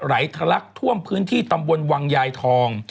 ทะลักท่วมพื้นที่ตำบลวังยายทอง